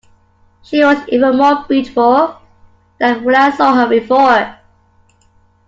She was even more beautiful than when I saw her, before.